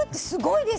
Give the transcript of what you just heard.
すごい！